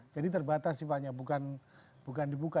jadi terbatas sifatnya bukan dibuka